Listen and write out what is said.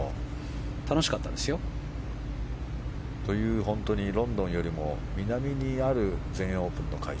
楽しかったですよ。というロンドンよりも南にある全英オープンの会場